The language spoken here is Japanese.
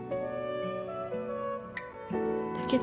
だけど。